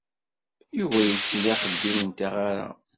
Yuba itteg axeddim n tɣara.